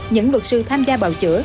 những luật sư tham gia bào chữa